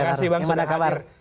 terima kasih bang sudah hadir